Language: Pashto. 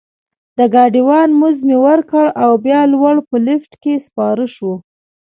د ګاډي وان مزد مې ورکړ او بیا لوړ په لفټ کې سپاره شوو.